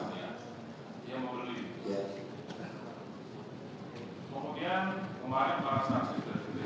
bukan yang membeli